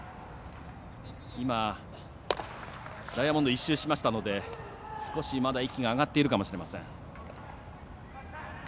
ダイヤモンドを１周しましたので少しまだ息が上がっているかもしれません。